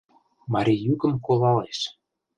Мари йӱкым колалеш